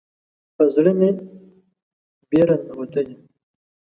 په زړه مې بیره ننوتلې